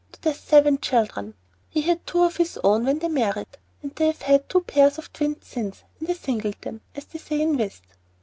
to their seven children! He had two of his own when they married, and they have had two pairs of twins since, and "a singleton," as they say in whist.